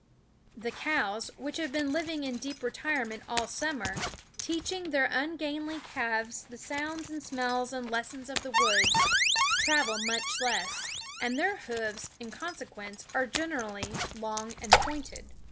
The cows, which have been living in deep retirement all summer, teaching their ungainly calves the sounds and smells and lessons of the woods, travel much less; and their hoofs, in consequence, are generally long and pointed.